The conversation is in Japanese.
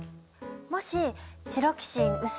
もし「チロキシン薄いよ。